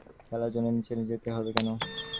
খেলার জন্যে নিচে যেতে হবে কেন?